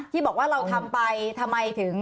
ที่บอกว่าเราทำไปทำไมถึง